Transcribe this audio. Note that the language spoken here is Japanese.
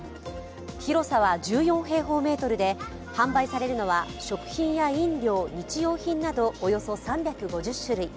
広さは１４平方メートルで、販売されるのは食品や飲料およそ３５０種類。